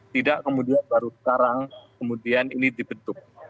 tidak kemudian baru sekarang kemudian ini dibentuk